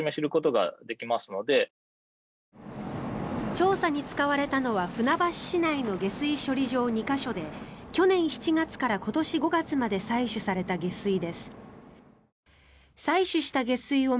調査に使われたのは船橋市内の下水処理場２か所で去年７月から今年５月まで採取された下水です。